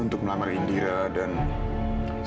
aku ke kamar dulu ya ma